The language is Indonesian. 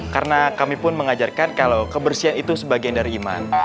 karena kami pun mengajarkan kalau kebersihan itu sebagian dari iman